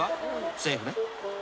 セーフね］